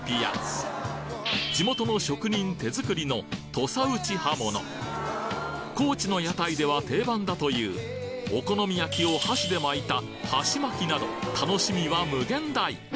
地元の職人手作りの高知の屋台では定番だというお好み焼きを箸で巻いた「はしまき」など楽しみは無限大！